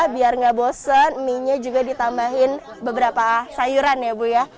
biar nggak bosen mienya juga ditambahin beberapa sayuran ya ibu ya